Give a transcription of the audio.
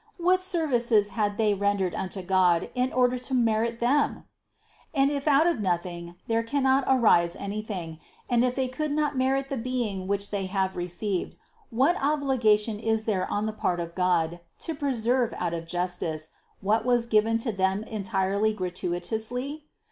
What services had they rendered unto God in order to merit them? And if out of nothing there cannot arise any thing", and if they could not merit the being which they have received, what obligation is there on the part of God to preserve out of justice, what was given to them entirely gratuitously